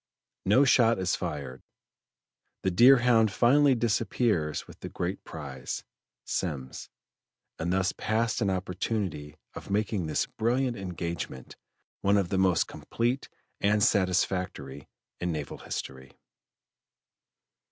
No shot is fired: the Deerhound finally disappears with the great prize, Semmes, and thus passed an opportunity of making this brilliant engagement one of the most complete and satisfactory in naval history.